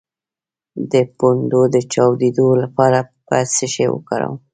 د پوندو د چاودیدو لپاره باید څه شی وکاروم؟